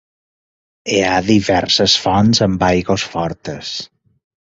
Hi ha diverses fonts amb aigües fortes.